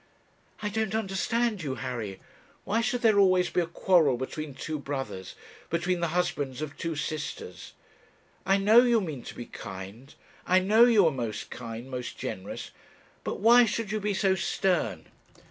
'I don't understand you, Harry; why should there always be a quarrel between two brothers, between the husbands of two sisters? I know you mean to be kind, I know you are most kind, most generous; but why should you be so stern?'